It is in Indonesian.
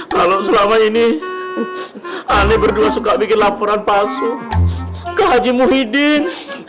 kalau selama ini ahli berdua suka bikin laporan palsu ke haji muhyiddin